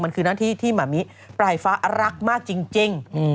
มันคือหน้าที่ที่หมามิปลายฟ้ารักมากจริง